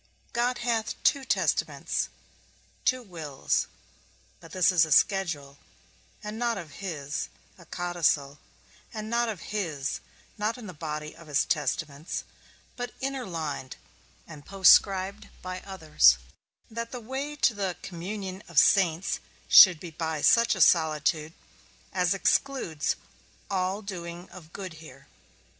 God hath two testaments, two wills; but this is a schedule, and not of his, a codicil, and not of his, not in the body of his testaments, but interlined and postscribed by others, that the way to the communion of saints should be by such a solitude as excludes all doing of good here.